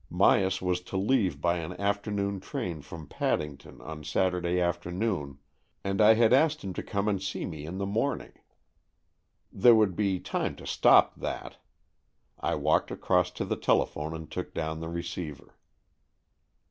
Myas was to leave by an afternoon train from Paddington on Saturday afternoon, and I had asked him to come and see me in the morning. There would be time to stop that. I walked across to the telephone and took down the receiver.